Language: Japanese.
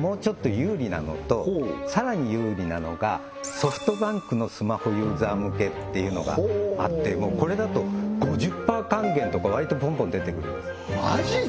もうちょっと有利なのとさらに有利なのがソフトバンクのスマホユーザー向けっていうのがあってこれだと５０％還元とかわりとボンボン出てくるマジで？